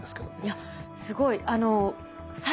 いやすごい。